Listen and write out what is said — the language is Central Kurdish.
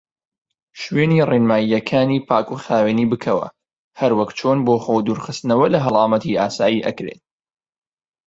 شوێنی ڕێنمایەکانی پاکوخاوینی بکەوە هەروەک چۆن بۆ خۆ دورخستنەوە لە هەڵامەتی ئاسای ئەکرێ.